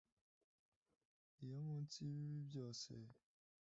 iyo munsi yibibi byose